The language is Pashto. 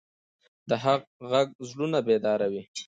د حق غږ زړونه بیداروي